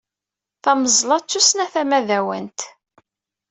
Tameẓla d tussna tamadwant.